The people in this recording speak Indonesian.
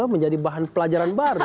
menjadi bahan pelajaran baru